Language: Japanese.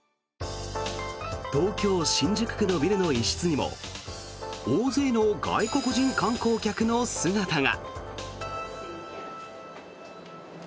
東京・新宿区のビルの一室にも大勢の外国人観光客の姿が。